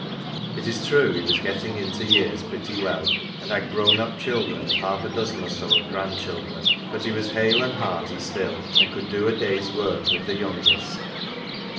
It is true he was " getting into years pretty well," and had grown up children and half a dozen or so of grandchildren ; but he was hale and hearty still, and could do a day's work with the youngest.